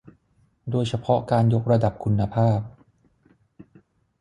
โดยเฉพาะการยกระดับคุณภาพ